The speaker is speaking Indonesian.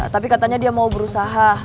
tapi katanya dia mau berusaha